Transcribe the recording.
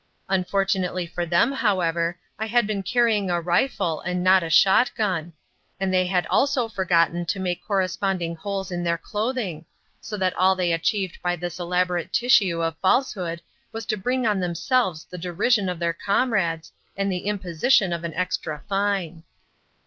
Unfortunately for them, however, I had been carrying a rifle and not a shot gun, and they had also forgotten to make corresponding holes in their clothing, so that all they achieved by this elaborate tissue of falsehood was to bring on themselves the derision of their comrades and the imposition of an extra fine.